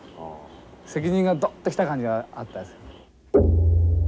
責任がどっと来た感じがあったです。